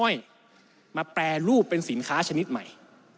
อ้อยมาแปรรูปเป็นสินค้าชนิดใหม่